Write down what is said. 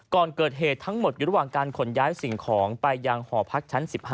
ก่อนเกิดเหตุทั้งหมดอยู่ระหว่างการขนย้ายสิ่งของไปยังหอพักชั้น๑๕